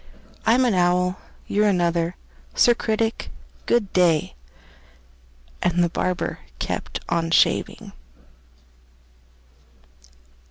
I'm an owl; you're another. Sir Critic, good day!" And the barber kept on shaving.